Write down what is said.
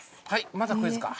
またクイズか。